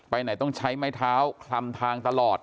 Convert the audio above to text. ไหนต้องใช้ไม้เท้าคลำทางตลอด